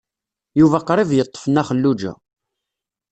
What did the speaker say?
Yuba qrib yeṭṭef Nna Xelluǧa.